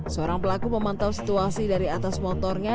seorang pelaku memantau situasi dari atas motornya